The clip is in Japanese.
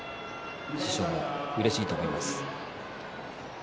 師匠もうれしいと思います。